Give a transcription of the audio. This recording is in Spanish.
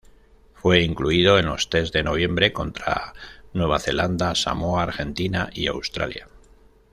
Fue incluido en los test de noviembre contra Nueva Zelanda, Samoa, Argentina y Australia.